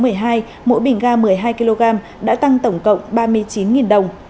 mỗi bình ga một mươi hai kg đã tăng tổng cộng ba mươi chín đồng